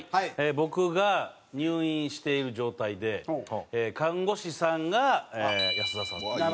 僕が入院している状態で看護師さんが安田さんという。